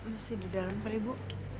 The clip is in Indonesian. masih di dalam peribu